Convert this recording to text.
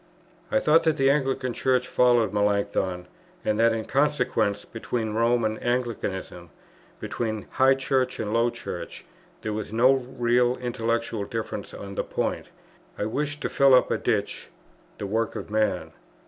I thought that the Anglican Church followed Melanchthon, and that in consequence between Rome and Anglicanism, between high Church and low Church, there was no real intellectual difference on the point. I wished to fill up a ditch, the work of man.